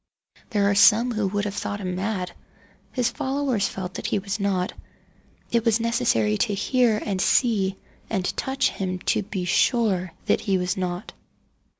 There are some who would have thought him mad. His followers felt that he was not. It was necessary to hear and see and touch him to be sure that he was not.